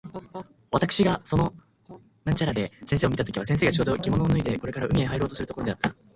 私（わたくし）がその掛茶屋で先生を見た時は、先生がちょうど着物を脱いでこれから海へ入ろうとするところであった。